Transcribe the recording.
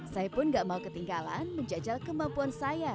saya pun gak mau ketinggalan menjajal kemampuan saya